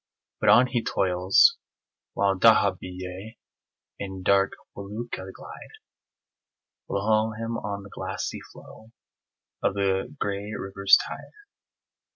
But on he toils while dahabiyeh And dark felucca glide Below him on the glassy flow Of the gray river's tide.